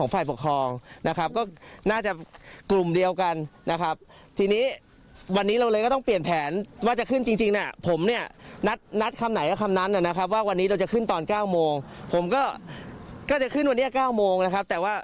ฟังเสียงข้างในตั้มหน่อยครับ